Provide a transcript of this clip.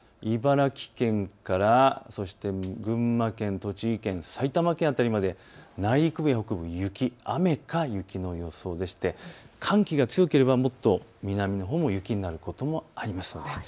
茨城県から群馬県、栃木県、埼玉県辺りまで内陸部は雪、雨か雪の予想でして寒気が強ければもっと南のほうも雪になることもあります。